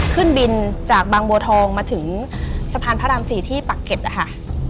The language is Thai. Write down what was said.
ขึ้นบินจากบางบัวทองมาถึงสะพานพระราม๔ที่ปักเก็ตนะคะ